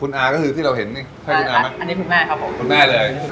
คุณอาก็คือที่เราเห็นนี่ใช่คุณอาไหมอันนี้คุณแม่ครับผมคุณแม่เลย